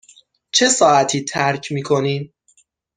چه ساعتی ترک می کنیم؟